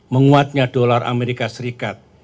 menguatnya dolar amerika serikat